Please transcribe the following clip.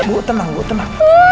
bu tenang bu tenang